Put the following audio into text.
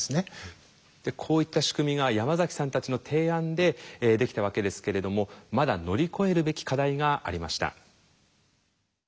こういった仕組みが山崎さんたちの提案でできたわけですけれどもまだ乗り越えるべき課題がありました。